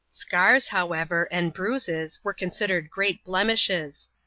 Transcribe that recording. Scars, liowever, and bruises, were considered great blemishes.